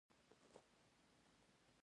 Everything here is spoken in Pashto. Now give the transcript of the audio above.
د مظلوم په مرسته خو پوهېږو.